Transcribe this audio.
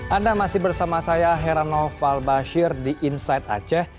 anda masih bersama saya herano falbashir di insight aceh